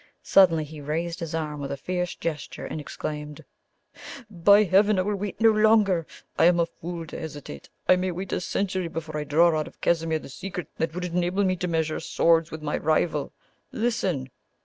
Suddenly he raised his arm with a fierce gesture, and exclaimed: "By heaven! I will wait no longer. I am a fool to hesitate. I may wait a century before I draw out of Casimir the secret that would enable me to measure swords with my rival. Listen!"